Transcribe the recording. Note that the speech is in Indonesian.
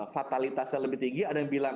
fatalitasnya lebih tinggi ada yang bilang